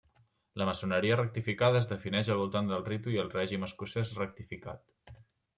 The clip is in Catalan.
La maçoneria rectificada es defineix al voltant del Ritu i Règim Escocès Rectificat.